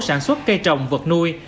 sản xuất cây trồng vật nuôi